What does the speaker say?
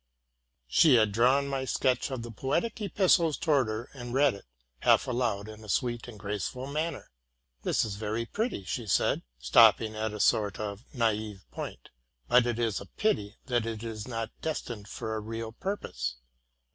"' She had drawn my sketch of the poetic epistle towards her, and read it half aloud in a sweet and graceful man ner. '*That is very pretty,'' said she, stopping at a sort of naive point; but it is a pity that it is not destined for a real purpose.